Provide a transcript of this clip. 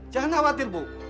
jangan khawatir bu